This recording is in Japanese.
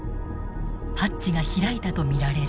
ハッチが開いたと見られる。